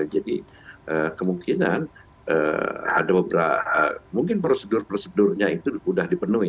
jadi kemungkinan ada beberapa mungkin prosedur prosedurnya itu sudah dipenuhi